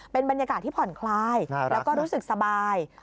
เป็นบรรยากาศที่ผ่อนคลายแล้วก็รู้สึกสบาย